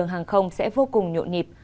hàng không sẽ vô cùng nhộn nhịp